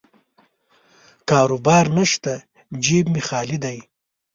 کاروبار نشته، جیب مې خالي دی.